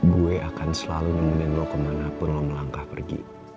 gue akan selalu menemukan lo kemana pun lo melangkah pergi